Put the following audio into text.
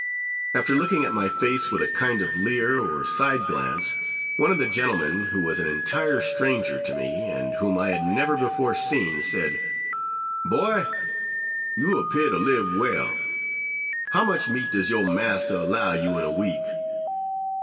After looking at my face, with a kind of leer or side glance, one of the gentlemen, who was an entire stranger to me, and whom I had never before seen, said, "Boy, you appear to live well; how much meat does your master allow you in a week?"